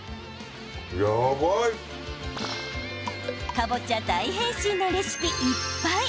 かぼちゃ大変身のレシピいっぱい。